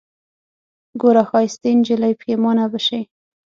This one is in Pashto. ګوره ښايستې نجلۍ پښېمانه به سې